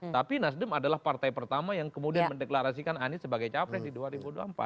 tapi nasdem adalah partai pertama yang kemudian mendeklarasikan anies sebagai capres di dua ribu dua puluh empat